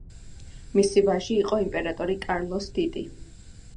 მისი ვაჟი იყო იმპერატორი კარლოს დიდი.